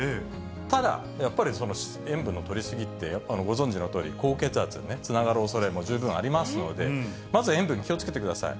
ただ、やっぱり塩分のとりすぎって、ご存じのとおり、高血圧につながるおそれも十分ありますので、まず塩分気をつけてください。